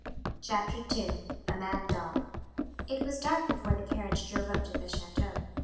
CHAPTER II A Mad Dog It was dark before the carriage drove up to the chateau.